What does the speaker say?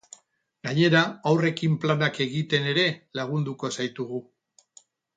Gainera haurrekin planak egiten ere lagunduko zaitugu.